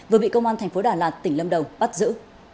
vừa bị công an thành phố đà lạt tỉnh lâm đồng bắt giữ